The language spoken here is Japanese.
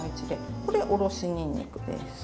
これおろしにんにくです。